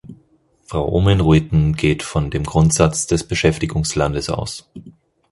Frau Oomen-Ruijten geht von dem Grundsatz des Beschäftigungslandes aus.